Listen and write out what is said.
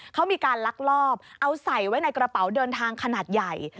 เขามีการลักลอบเอาใส่ไว้ในกระเป๋าเดินทางขนาดใหญ่